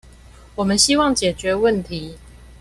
我們希望解決問題